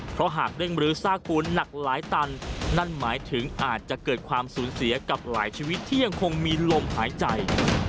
เพราะหากเร่งรื้อซากปูนหนักหลายตันนั่นหมายถึงอาจจะเกิดความสูญเสียกับหลายชีวิตที่ยังคงมีลมหายใจ